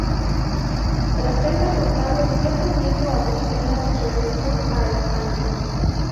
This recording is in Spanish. Tras ser deportado cierto tiempo a Bruselas regresó a España.